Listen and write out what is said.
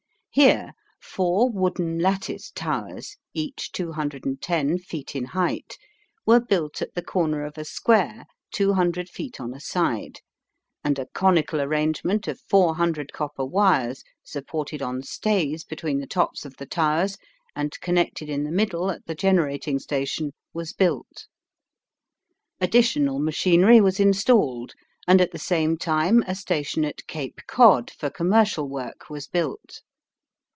Here four wooden lattice towers, each 210 feet in height, were built at the corner of a square 200 feet on a side, and a conical arrangement of 400 copper wires supported on stays between the tops of the towers and connected in the middle at the generating station was built. Additional machinery was installed and at the same time a station at Cape Cod for commercial work was built.